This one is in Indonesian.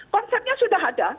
konsepnya sudah ada